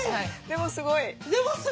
でもすごいです。